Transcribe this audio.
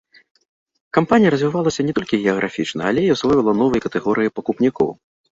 Кампанія развівалася не толькі геаграфічна, але і асвойвала новыя катэгорыі пакупнікоў.